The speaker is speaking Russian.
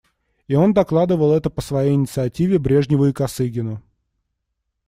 И он докладывал это по своей инициативе Брежневу и Косыгину.